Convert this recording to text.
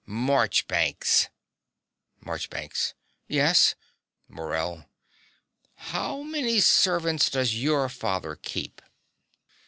Marchbanks! MARCHBANKS. Yes. MORELL. How many servants does your father keep?